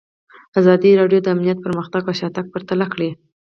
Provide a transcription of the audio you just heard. ازادي راډیو د امنیت پرمختګ او شاتګ پرتله کړی.